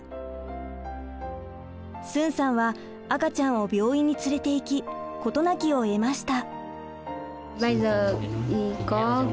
スンさんは赤ちゃんを病院に連れていき事なきを得ました。